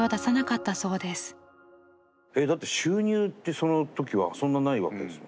収入ってその時はそんなないわけですよね。